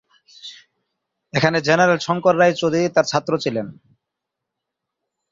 এখানে জেনারেল শঙ্কর রায় চৌধুরী তার ছাত্র ছিলেন।